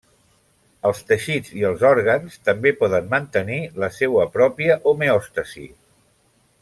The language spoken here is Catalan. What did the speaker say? Els teixits i els òrgans també poden mantenir la seua pròpia homeòstasi.